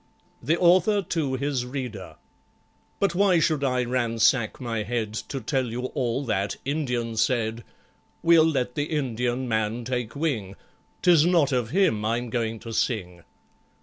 The Author to his Reader But why should I ransack my head To tell you all that Indian said; We'll let the Indian man take wing,— 'Tis not of him I'm going to sing.